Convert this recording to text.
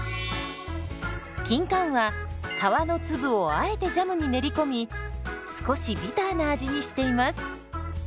キンカンは皮の粒をあえてジャムに練り込み少しビターな味にしています。